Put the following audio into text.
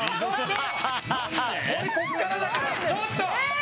ちょっと！